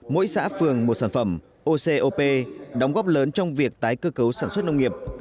mỗi xã phường một sản phẩm ocop đóng góp lớn trong việc tái cơ cấu sản xuất nông nghiệp